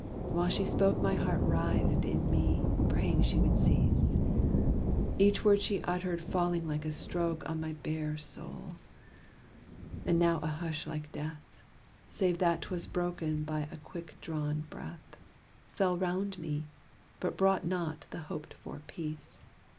While she spoke My heart writhed in me, praying she would cease Each word she uttered falling like a stroke On my bare soul. And now a hush like death, Save that 'twas broken by a quick drawn breath, Fell 'round me, but brought not the hoped for peace.